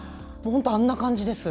本当、あんな感じです。